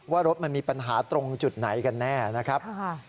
ว่ารถมันมีปัญหาตรงจุดไหนกันแน่นะครับ